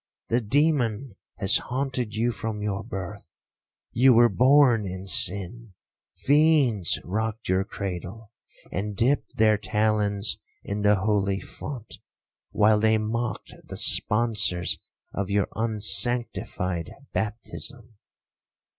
The demon has haunted you from your birth—you were born in sin—fiends rocked your cradle, and dipt their talons in the holy font, while they mocked the sponsors of your unsanctified baptism.